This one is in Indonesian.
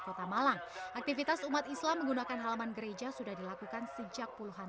kota malang aktivitas umat islam menggunakan halaman gereja sudah dilakukan sejak puluhan